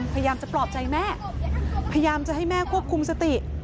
พยายามจะปลอบใจแม่พยายามจะให้แม่ควบคุมสติ